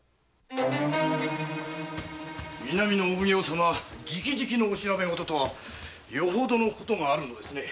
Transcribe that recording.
南のお奉行様がじきじきのお調べごととはよほどのことがあるのですね。